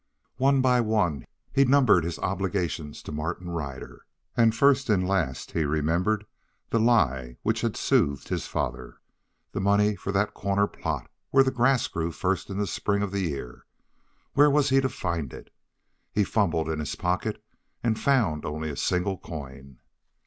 One by one he numbered his obligations to Martin Ryder, and first and last he remembered the lie which had soothed his father. The money for that corner plot where the grass grew first in the spring of the year where was he to find it? He fumbled in his pocket and found only a single coin.